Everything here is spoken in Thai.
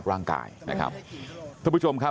ลูกสาวหลายครั้งแล้วว่าไม่ได้คุยกับแจ๊บเลยลองฟังนะคะ